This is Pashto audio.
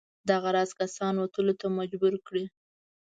دغه راز کسان وتلو ته مجبور کړي.